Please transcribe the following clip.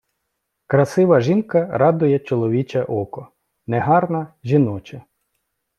Красива жінка радує чоловіче око, негарна — жіноче.